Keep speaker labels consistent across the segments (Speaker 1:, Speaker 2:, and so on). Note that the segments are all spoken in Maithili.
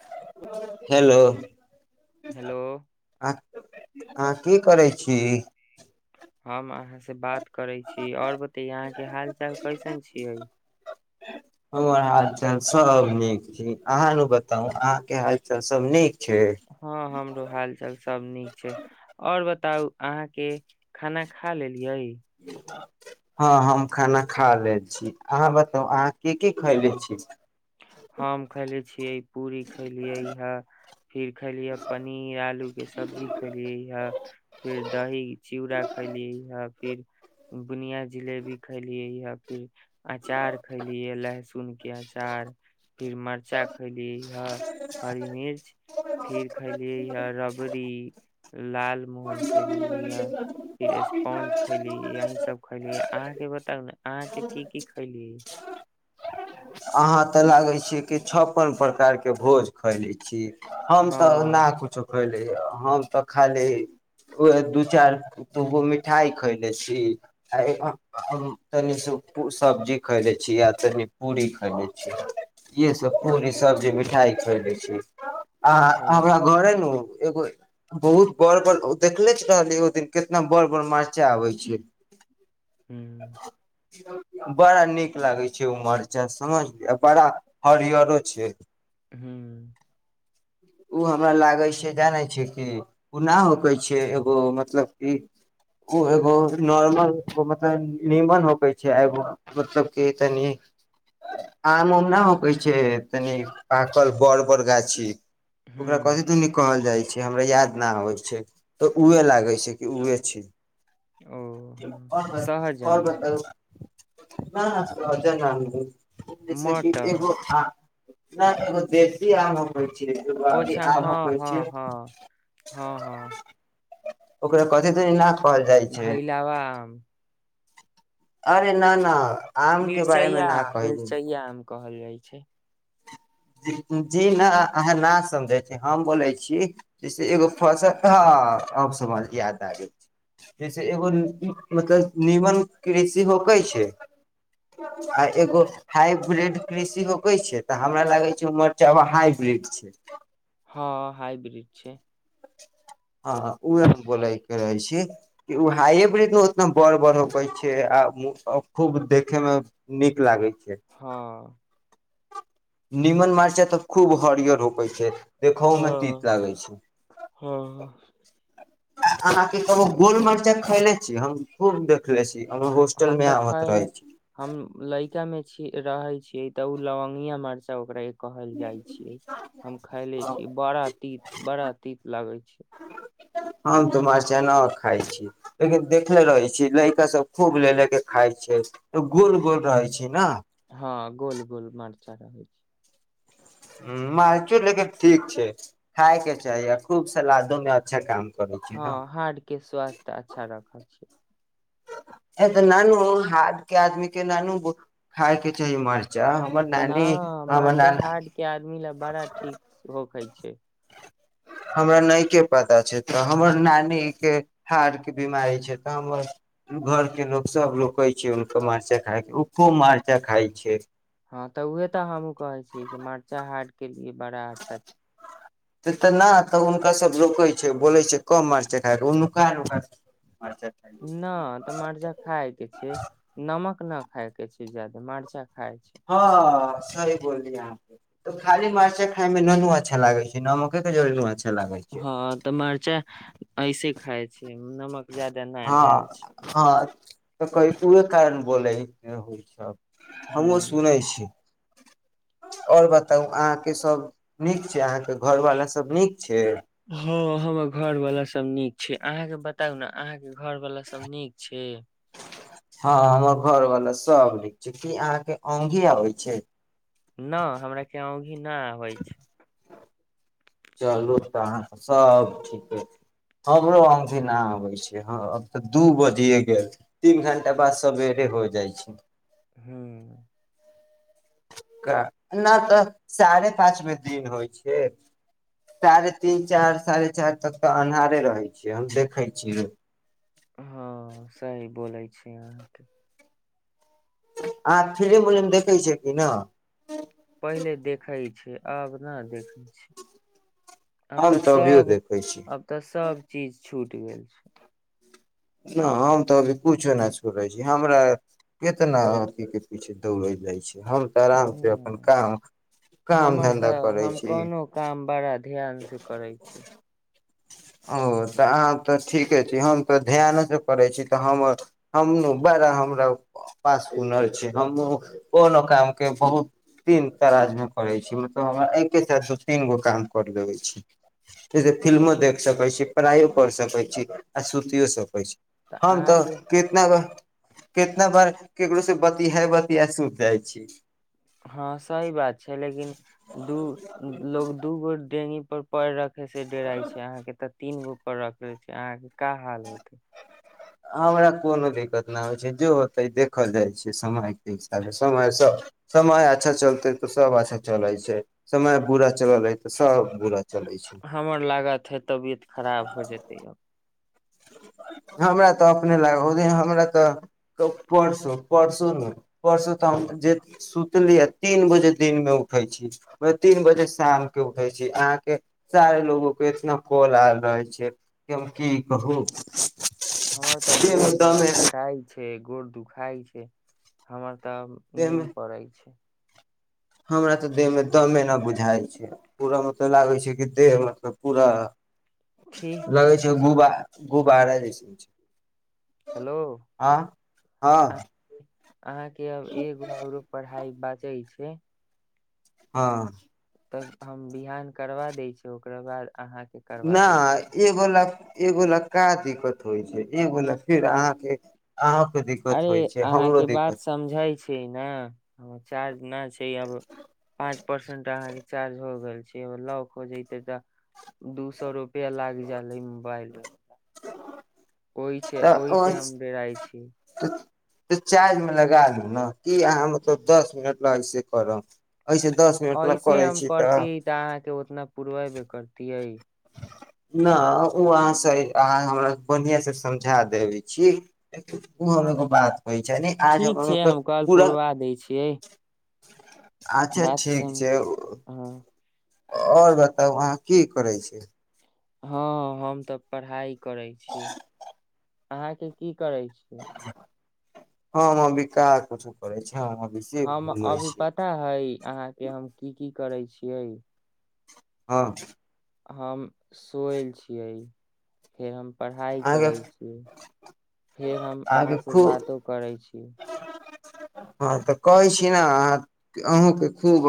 Speaker 1: [unintelligible] हेलो
Speaker 2: हेलो
Speaker 1: अ अहां की करै छी
Speaker 2: हम अहां से बात करै छी आओर बतय अहां के हाल चाल कैसन छीयै
Speaker 1: हमर हाल चाल सब नीक छै अहाँ नु बताउ अहा के हाल चाल सब नीक छै
Speaker 2: हँ हमरो हालचाल सब नीक छै आओर बताउ अहाँ के खाना खा लेलियै
Speaker 1: हँ हम खाना खा' लै छी अहाँ बताउ अहाँ की की खयले छी
Speaker 2: हम खैले छियै पूरी खैलियै ह फिर खैलियै पनीर आलू के सब्जी खैलियै ह फिर दही चीउड़ा खैलियै ह फिर बुनिया जिलेबी खैलियै हं फिर अचार खैलियै लहसुन के चार फिर मरचाय खैली ह हरी मिर्च फिर खैलियै हँ रबड़ी लाल मोहन खैलीयै फिर स्पोंज खैलीयै यही सब खैली अहाँके बताउ ने अहाँ के की की खैलियै [inaudible]
Speaker 1: अहाँ तऽ लागै छियै कि छप्पन प्रकार के भोज खयले छी हम
Speaker 2: हँ
Speaker 1: तऽ ना कुछौ ली हम तऽ खाली दू चारि दुगो मिठाइ खैले छी आ तनी सब्जी खैले छी आ तनि पूरी खबै छियै ये सब
Speaker 2: ओ
Speaker 1: पूरी सब्जी मिठाई खय दै छी आ
Speaker 2: ओ
Speaker 1: हमरा घरे नु एगो बहुत बर बड़ देखले रहल ओ दिन केितना बर बर मारचाय आबय छै
Speaker 2: हुं
Speaker 1: बड़ा नीक लागै छै उमरचाय समझलियै बड़ा हरियरो छै
Speaker 2: हू
Speaker 1: ओ हमरा लागै छै जानै छै कि ओ नहि होकै छै एगो मतलब कि ओ एगो नॉर्मल मतलब नीमन होकै छै एगो मतलब कि तनि आम उम नहि होकै छै तनि पाकल बड़ बड़ गाछी ओकरा
Speaker 2: हुँ,
Speaker 1: कथि दुनि कहल जाइ छै हमरा याद न होइ छै तऽ उहे लागे छै कि उहे छी
Speaker 2: ओ ह शहजन
Speaker 1: ह शहजन ना हाई उमे से फिर
Speaker 2: मटर,
Speaker 1: एगो थ नहि एगो देवी आम होइ छै एगो अभी
Speaker 2: ओछा
Speaker 1: आम
Speaker 2: हँ
Speaker 1: होकै
Speaker 2: हँ
Speaker 1: छै
Speaker 2: हँ हँ हँ
Speaker 1: ओकरा कथी दुनी ना कहल जाइ छै
Speaker 2: घहि लवम
Speaker 1: अरे न न आम के बारे मे
Speaker 2: मिरचाइया
Speaker 1: न कही
Speaker 2: मिरचाइया आम कहल जाइ छै
Speaker 1: जी ना अहाँ न समझै छी हम बोले छी जैसे एगो फसल ह अब समझ याद आ गेल छी जैसे एगो मतलब नीमन कृषि होक छै आ एगो हाइब्रिड कृषि होके छै तऽ हमरा लागै उ मरचा आ हाइब्रीड छै
Speaker 2: हँ हाइब्रिड छै
Speaker 1: हँ उहे हम बोले के रहे छी कि ओ हाइ ब्रीड मे उतना बर बर होैखै छै आ खूब देखे मे नीक लागे छै
Speaker 2: हँ
Speaker 1: निमन मरिचा तऽ खूब हरिय रोपै छै देखहो मे तीत
Speaker 2: हँ,
Speaker 1: लागै छै
Speaker 2: हँ,
Speaker 1: अहाॅं के कोनो गोल मरिचा खेनेे छी हम खूब देखले छी हमर होस्टल
Speaker 2: हम
Speaker 1: मे
Speaker 2: तऽ
Speaker 1: आबत
Speaker 2: खैले
Speaker 1: रहै छी
Speaker 2: हम लडका मे रहे छी तऽ ओ लौंगिया मरचा ओकरा कहल जाइ छियै हम खायले छीय बड़ा तीत बड़ा तीत लगे छै
Speaker 1: हम तो मारचाना खाय छी लेकिन देखले रहै छी लइका सब खूब ले ले के खाय छै गोल गोल रहै छी ने
Speaker 2: हँ गोल गोल मरचा हो छै
Speaker 1: ह मारचो लेकिन ठीक छै खाय के चाही खूब सलादो मे अच्छा काम करै छै ने
Speaker 2: हँ हाड के स्वास्थ्य अच्छा रखा छै
Speaker 1: ए तऽ नानू हाथ के आदमी के नानू खायके चाही मर
Speaker 2: न मरचाहाट के आदमी ल बड़ा ठीक होखे छै [inaudible]
Speaker 1: हमरा नहि के पता छै तऽ हमर नीके हारके बिमारी छै तऽ हमर घरके लोक सभ लोक कहै छै हुनकर मरचा खायके ओ खूब मरचाइ खाइ छै
Speaker 2: हँ तऽ उहे तऽ हमहूँ कहै छी कि मर्चाहाटके ई बड़ा अच्छा
Speaker 1: से तऽ नहि तऽ हुनका सभ रोकै छै बोलै छै कम मर छै खाके ओ नु का नुका मरचा खाय छै।
Speaker 2: न तऽ मरिचा खाय के छै नमक ना खाय के छै जादा मरिचा
Speaker 1: हाँ सही बोलली अहाॅंके खाली मर्चा खाय मे ननू अच्छा लागे छै नमक जरुरी होइछे
Speaker 2: हँ तऽ मरचा ऐसे खाइ छी
Speaker 1: हँ हँ तऽ कइ उहे कारण बोलै होइ छ हमु
Speaker 2: हँ
Speaker 1: सुनै छी ओर बताउ अहाँके सब नीक छै अहाँके घर वाला सब नीक छै
Speaker 2: हमर घर वाला सब नीक छै अहाँके बताउ ने अहाँके घर वाला सब नीक छै
Speaker 1: हँ हमर घरवाला सभ नीक छै की अहाँके अउघी आबै छै
Speaker 2: न हमरा के अउंघी न होइ छै
Speaker 1: चलू त अहाँ सब ठीके हमरो अठी नहि आबै छै हब तऽ दू बजिे गेल ती घण्टा बाद स बेरे हो जाइ छी
Speaker 2: हू
Speaker 1: नहि तऽ साढ़े पाँचमे दिन होइ छै साढ़े तीन चार साढ़े चारि तक तऽ अन्हारे रहै छियै हम देखै छीय
Speaker 2: हँ सही बोलै छी अहाँके
Speaker 1: आह फिल्म उलिम देखै छिय कि न
Speaker 2: पहिले देखैत छै से आब नहि देखै छी आब
Speaker 1: हम
Speaker 2: तऽ
Speaker 1: अभियो
Speaker 2: सब
Speaker 1: देखै छी
Speaker 2: आब तऽ सब चीज छूट गेलेल छै
Speaker 1: न हम तऽ अभी कुछो नहि छोड़ै छी हमरा कितना अथी के पीछे दौड़ै जाइ छै हम तऽ आराम से अपन
Speaker 2: हम्म,
Speaker 1: काम काम
Speaker 2: हमर
Speaker 1: धन्धा
Speaker 2: तऽ
Speaker 1: करै
Speaker 2: हम
Speaker 1: छी
Speaker 2: कोनो काम बड़ा ध्यान से करै छी
Speaker 1: ओ तऽ अह तऽ ठीके छी हम तऽ ध्यान से करै छी तऽ हम हम बड़ा हमरा पास हुनर छै हम ओनो काम के बहुत दीन तरााज मे करै छी मतलब हमरा एके साथ दू तीन गो काम कर लेबै छी जैसे फिल्मो देख सकै छी पायइो कर सकै छी आ सुति यी सकै छी हम तऽ कितना कितना बार केकरो से बती है बति ह सुख जाइ छी
Speaker 2: हँ सही बात छै लेकिन दू लोग दू गो देंगी प रख से डराइ छै अहाँ के तऽ तीन गो रख छी अहाँ क हाल होतै
Speaker 1: हमरा कोनो दिक्कत नहि होइ छै जे होतै देखल जाइ छै समयके हिसाबे समय समय अच्छा चलतै तऽ सभ अच्छा चलै छै समय बुरा चलल रहै तऽ सभ बुरा चले छै
Speaker 2: हमर लागत हे तबियत खराब हो जेतै अब
Speaker 1: हमरा तऽ अपने लाग ओहि दिन हमरा तऽ परसू परसूमे परसू तऽ हम जे सुतली आ तीन बजे दिनमे उठै छी तीन बजे शाम के उठै छी अहाँके सारे लोगो के इतना कॉल आयल रहै छै कि हम की कहू
Speaker 2: हमर तऽ
Speaker 1: देह मे
Speaker 2: गोर बड़ा
Speaker 1: दमे
Speaker 2: टटाई छै गोर दुखाइ छै हमर त
Speaker 1: देह
Speaker 2: नीन
Speaker 1: मे
Speaker 2: पड़इ छै
Speaker 1: हमरा तऽ देहमे दमेना बुझाइ छै पूरा मतलब लागै छै कि देह मतलब पूरा
Speaker 2: ठीक
Speaker 1: लगै छै
Speaker 2: सुन
Speaker 1: गुबा
Speaker 2: अहाँ
Speaker 1: गुबारा जइसे छै
Speaker 2: हेलो
Speaker 1: हँ
Speaker 2: अहं
Speaker 1: हँ
Speaker 2: अहाँके हम एगो आओरो पढ़ाई बात बताइ छी
Speaker 1: हँ
Speaker 2: तब हम बिहान करबा दै छै ओकरा बाद अहाँके करबा
Speaker 1: ना
Speaker 2: दै छै
Speaker 1: एगोला एगो लएका दिक्कत होइ छै एगो लग फेर अहाँके अहूँके दिक्कत
Speaker 2: अरे
Speaker 1: होइ छै हमरो
Speaker 2: अहाँके बात
Speaker 1: दिक्कत
Speaker 2: समझै छै ने चार्ज नहि छै अब पाँच परसेंट अहाँके चार्ज हो गेल छैग लॉक हो जते तऽ दू सए रुपआ लाग जालै बाइल
Speaker 1: [unintelligible]
Speaker 2: ओहि छै
Speaker 1: तऽ
Speaker 2: ओहिसँ हम डेराइ छी
Speaker 1: तऽ चार्जमे लगा लू न की अहाँ मतलब दस मिनट लाग से करब ऐसे दस मिनट ला
Speaker 2: ऐसे
Speaker 1: करै
Speaker 2: हम
Speaker 1: छी
Speaker 2: करती तऽ अहाँके उतना पुरबय के करतियै
Speaker 1: नहि ओ अहाँ अहाँ हमरा बढ़िआँ से समझा देबै छी ओ हम एगो बात कहै छै ने आज
Speaker 2: ठीक
Speaker 1: हमर
Speaker 2: छै
Speaker 1: मतलब
Speaker 2: हम कल
Speaker 1: पूरा
Speaker 2: पुरबा दै छियै
Speaker 1: अच्छा
Speaker 2: बात
Speaker 1: ठीक
Speaker 2: सम
Speaker 1: छै
Speaker 2: हँ
Speaker 1: आओर बताउ अहाँ की करै छै
Speaker 2: हँ हम तऽ पढ़ाइ करै छी अहाँके की करै छी
Speaker 1: हँ हम अभी कहां कुछो करै छी हम अभी से
Speaker 2: हम
Speaker 1: घूमै
Speaker 2: अभी
Speaker 1: छी
Speaker 2: पता हइ अहाँके हम की की करै छियै
Speaker 1: हँ
Speaker 2: हम सोयल छियै फेर हम पढ़ाइ
Speaker 1: अहाँके
Speaker 2: करै छी फेर हम
Speaker 1: अहाँके
Speaker 2: अहाँसँ
Speaker 1: खूब
Speaker 2: बातो करै छी
Speaker 1: हँ तऽ कहै छी ने अहाँ अहूँके खूब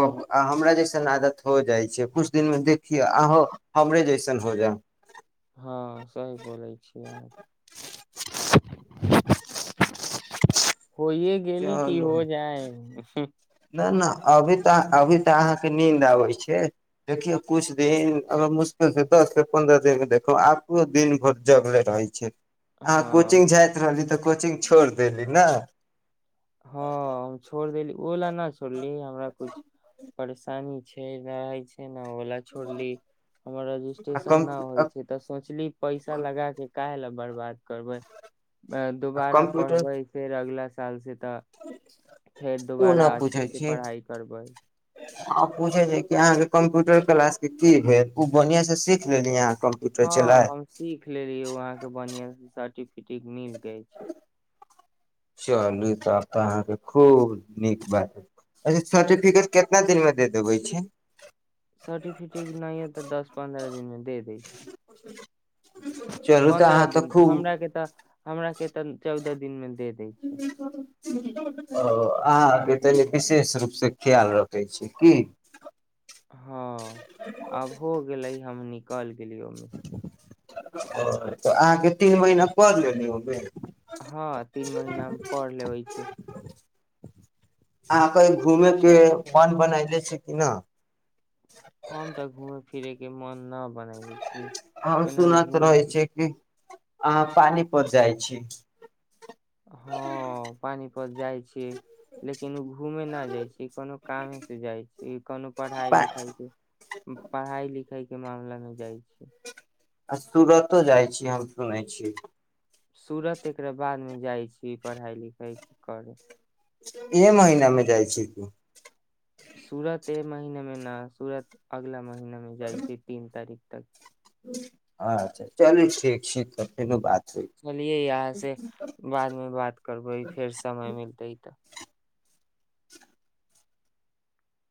Speaker 1: हमरा जैइसन आदत हो जाइ छै किछु दिनमे देखियौ अहू हमरे जैसन हो जाय
Speaker 2: हँ सही बोलैय छियै अहाँके
Speaker 1: [inaudible]
Speaker 2: होए गेलेली की हो जाए
Speaker 1: नहि नहि अभी तऽ अभी तऽ अहाँके नींन्द आबैत छै देखियौ किछु दिन अगर मुश्किलसँ दससँ पन्द्रह दिननके देखौ आो दिन भर जगले रहैत छै अहाँ
Speaker 2: हँ
Speaker 1: कोचिंग जायइत रहली तऽ कोचिंग छोड़ देली न
Speaker 2: हँ छोड़ देली बोल न छोड़ली हमरा कुछ परेशानी छै नहि होइ छै ओला छोड़ली हमर रजिस्ट्रेशन
Speaker 1: कम
Speaker 2: न होइ
Speaker 1: आ
Speaker 2: छै ते सोचली पैसा लगा के काहे ले बर्बाद करबैय अ दुबारा
Speaker 1: कम्प्यूटर
Speaker 2: पढ़बै फेर अगला साल से तऽ फेर
Speaker 1: ओ
Speaker 2: दुबारा
Speaker 1: न
Speaker 2: अच्छे
Speaker 1: पूछै
Speaker 2: से
Speaker 1: छी
Speaker 2: पढ़ाइ करबै
Speaker 1: आ पूछे छै क अहाँ के कंप्यूटर क्लास के की भेल उ बढ़िया से सीख लेलीहाँ
Speaker 2: हँ हम सीख लेली वहाँ बढि़या सर्टिफिकेट मिल गय छै
Speaker 1: चलू त आब तऽ अहाँके खूब नीक बात ह अच्छा सर्टिफिकेट कितना दिनमे दऽ देबैय छै
Speaker 2: सर्टिफिकेट नहि ह तऽ दस पन्द्रह दिन मे दे दैय छै
Speaker 1: चलू तऽ
Speaker 2: पन्द्रह
Speaker 1: अहाँ तऽ
Speaker 2: दिन
Speaker 1: खूब
Speaker 2: हमरा के तऽ हमरा के त चौदह दिन मे दे दै छै
Speaker 1: ओ अहाँके तनि विशेष रूपसँ ख्याल रखै छी की
Speaker 2: हँ अब हो गेलै हम नि कल [unintelligible]
Speaker 1: तऽ अहाँके तीन महिना पर लेली ओय बेर
Speaker 2: हँ तीन महिना पढ़ लेबैय छै
Speaker 1: अहाँके घूमेके मन बनयले छी कि न
Speaker 2: हम तऽ घूमे फिरे के मन न बना ले छी
Speaker 1: हम
Speaker 2: केना
Speaker 1: सुनत रहे
Speaker 2: घुमेके
Speaker 1: छी कि अहाँ पानीपत जाइ छी
Speaker 2: पर जाइ छी लेकिन उ घूमे न जाइ छी कोनो कामे से जाइ छी कोनो पढ़ाई लिखाई
Speaker 1: आ
Speaker 2: के पढ़ाई लिखाई के के मामला मे जाइ छै
Speaker 1: आ सुरतो जाइत छी हम सुनैत छी
Speaker 2: सुरत एकरा बादमे जाइ छी पढ़ाइ लिखाइ करै
Speaker 1: ए महिनामे जाइ छी तू
Speaker 2: सुरत ए महिना मे न सुरत अगला महिना मे जाइ छै तीन तारीख तऽ
Speaker 1: अच्छा चलू ठीक छैत कोनो बात होइ
Speaker 2: चलियै यहाँ से बादमे बात करबै फेर समय मिलतै तऽ